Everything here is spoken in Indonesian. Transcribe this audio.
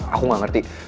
aku gak ngerti